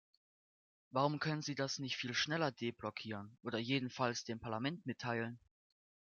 Warum können Sie das nicht viel schneller deblockieren, oder jedenfalls dem Parlament mitteilen?